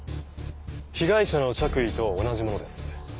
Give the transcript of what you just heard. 「被害者の着衣と同じものです」